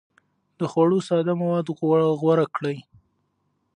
د خوړو ساده مواد غوره کړئ.